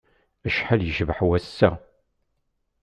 Acḥal yecbeḥ wass-a!